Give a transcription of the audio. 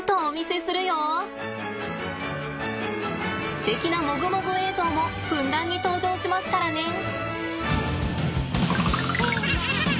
すてきなモグモグ映像もふんだんに登場しますからねん。